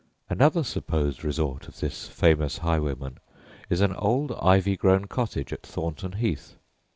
Another supposed resort of this famous highwayman is an old ivy grown cottage at Thornton Heath.